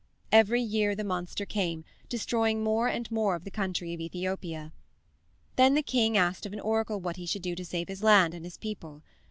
Every year the monster came, destroying more and more of the country of Ethopia. Then the king asked of an oracle what he should do to save his land and his people.